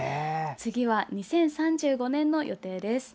次は２０３５年の予定です。